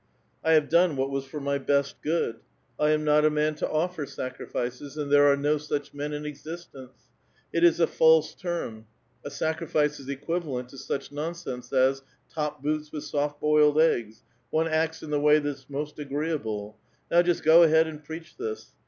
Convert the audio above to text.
I have done what was for my best good. I am not a man to offer sacrifices ; and there are no such men in existence. It is a false term ; a sacrifice is equivalent to such nonsense as ' top boots with soft boiled eggs !' One acts in the way thafs most agreeable ; now just go ahead and preach this.